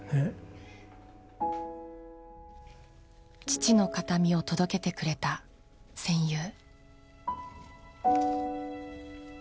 父の形見を届けてくれた戦友。